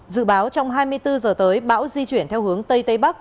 dự báo trong hai mươi bốn giờ tới bão di chuyển theo hướng tây tây bắc